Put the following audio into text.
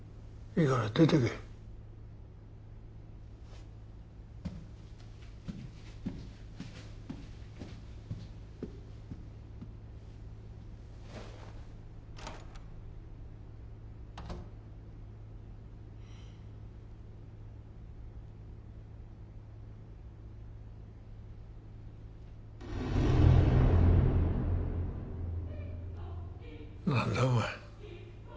いいから出てけ何だお前